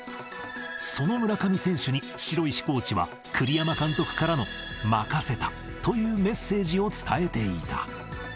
その村上選手に、城石コーチは栗山監督からの任せたというメッセージを伝えていた。